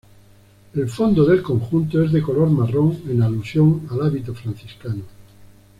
El fondo del conjunto es de color marrón en alusión al hábito franciscano.